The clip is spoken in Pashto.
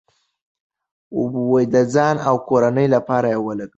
د ځان او کورنۍ لپاره یې ولګوئ.